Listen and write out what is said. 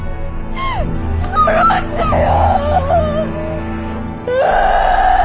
殺してよ。